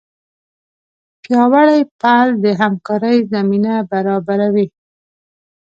پیاوړی پل د همکارۍ زمینه برابروي.